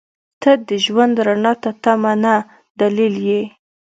• ته د ژوند رڼا ته تمه نه، دلیل یې.